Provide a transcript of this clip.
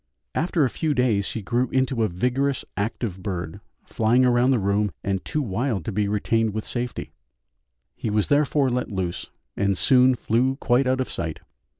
After a few days he grew into a vigorous, active bird, flying round the room, and too wild to be retained with safety He was therefore let loose, and soon flew quite out of sight.